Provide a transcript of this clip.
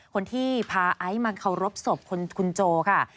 คนที่พาไอซ์มาเคารพศพคุณโจค่ะ